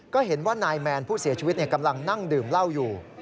ก็เห็นว่านายแมนผู้เสียชีวิตกำลังนั่งดื่มเหล้าอยู่